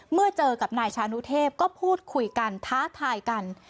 เมื่อเจอกับนายชานุเทพก็พูดคุยกันท้าทายกัน